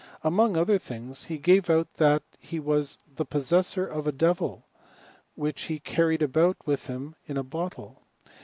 Among other things, he gave out that he Was the possessor of a devil, which he carried about ^th him in a bottle.